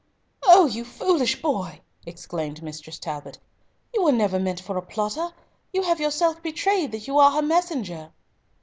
"Oh! you foolish boy!" exclaimed Mistress Talbot, "you were never meant for a plotter! you have yourself betrayed that you are her messenger."